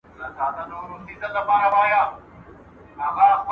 له خلکو څخه غلاوي